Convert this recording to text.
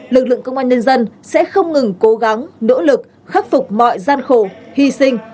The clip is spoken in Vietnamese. lực lượng công an nhân dân sẽ không ngừng cố gắng nỗ lực khắc phục mọi gian khổ hy sinh